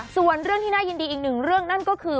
ส่วนเรื่องที่น่ายินดีอีกหนึ่งเรื่องนั่นก็คือ